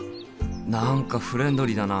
何かフレンドリーだな。